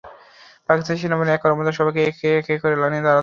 পাকিস্তান সেনাবাহিনীর এক কর্মকর্তা সবাইকে একে একে করে লাইনে দাঁড়াতে বলেন।